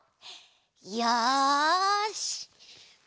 よし！